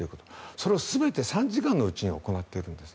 それを全て３時間のうちに行っているんです。